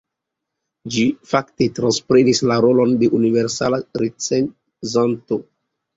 Ĝi fakte transprenis la rolon de universala recenzanto.